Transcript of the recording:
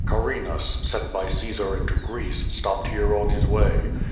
Carinas, sent by Caesar into Greece, stopped here on his way.